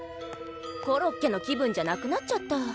コロッケの気分じゃなくなっちゃった。